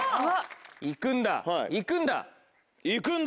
行くんだ行くんだ！